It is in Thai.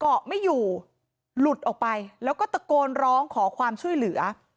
เกาะไม่อยู่หลุดออกไปแล้วก็ตะโกนร้องขอความช่วยเหลือ